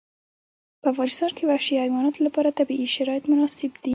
په افغانستان کې وحشي حیواناتو لپاره طبیعي شرایط مناسب دي.